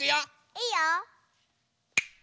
いいよ！